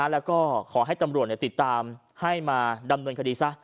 แล้วก็ขอให้ตำรวจติดตามให้มาดำเนินคดีซะ